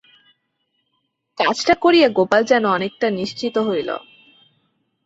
কাজটা করিয়া গোপাল যেন অনেকটা নিশ্চিত হইল।